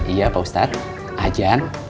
iya pak ustadz ajan